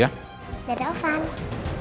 ya udah ovan